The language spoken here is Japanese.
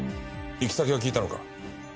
行き先は聞いたのか？